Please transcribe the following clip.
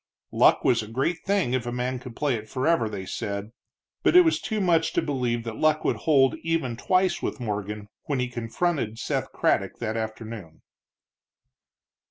Luck was a great thing if a man could play it forever, they said, but it was too much to believe that luck would hold even twice with Morgan when he confronted Seth Craddock that afternoon.